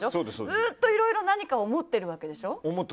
ずっといろいろ何かを思っているわけでしょ？